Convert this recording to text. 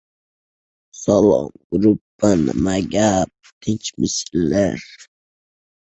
Miq etmadim.